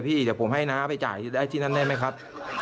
พี่เดี๋ยวผมให้น้าไปจ่ายที่นั่นได้ไหมครับ